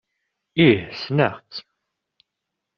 Ih sneɣ-tt.